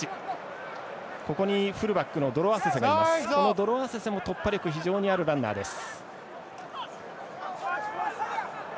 ドロアセセも突破力非常にあるランナーです。